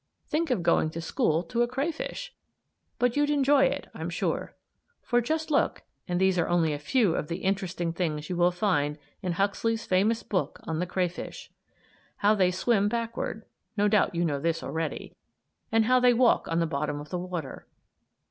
Think of going to school to a crayfish! But you'd enjoy it, I'm sure. For just look and these are only a few of the interesting things you will find in Huxley's famous book on "The Crayfish": How they swim backward (no doubt you know this already), and how they walk on the bottom of the water.